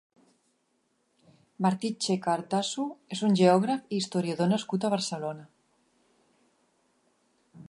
Martí Checa Artasu és un geògraf i historiador nascut a Barcelona.